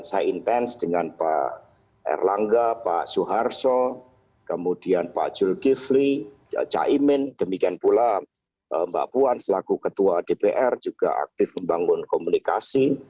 saya intens dengan pak erlangga pak suharto kemudian pak julkifli caimin demikian pula mbak puan selaku ketua dpr juga aktif membangun komunikasi